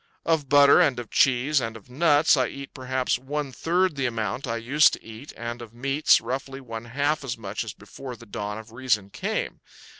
Of butter and of cheese and of nuts I eat perhaps one third the amount I used to eat, and of meats, roughly, one half as much as before the dawn of reason came.